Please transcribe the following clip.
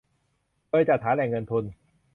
โดยจัดหาแหล่งเงินทุน